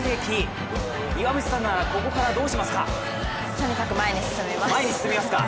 とにかく前に進みます。